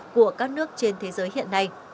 của các nước trên thế giới hiện nay